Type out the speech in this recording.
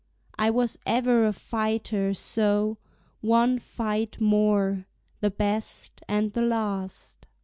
I was ever a fighter, so one fight more, The best and the last!